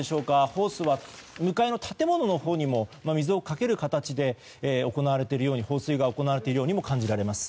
ホースは向かいの建物にも水をかける形で放水が行われているようにも感じられます。